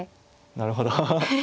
なるほど。